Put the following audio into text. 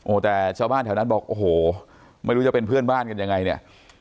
โอ้โหแต่ชาวบ้านแถวนั้นบอกโอ้โหไม่รู้จะเป็นเพื่อนบ้านกันยังไงเนี่ย